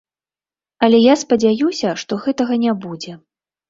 Але я спадзяюся, што гэтага не будзе.